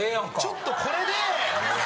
ちょっとこれで。